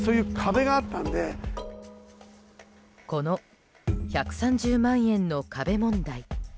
この１３０万円の壁問題。